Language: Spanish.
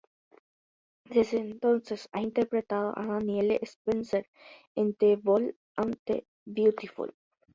Desde entonces ha interpretado a Danielle Spencer en "The Bold and the Beautiful".